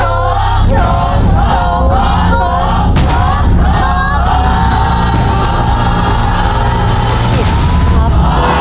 ถูกถูกถูกถูกถูก